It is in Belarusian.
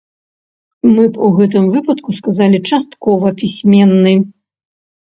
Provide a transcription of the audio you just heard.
Мы б у гэтым выпадку сказалі, часткова пісьменны.